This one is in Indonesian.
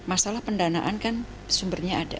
nah masalah pendanaan kan sumbernya ada beberapa